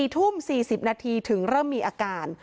๔ทุ่ม๔๐นาทีถึงเริ่มมีอาการ